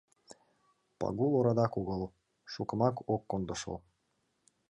— Пагул орадак огыл, шукымак ок кондо шол.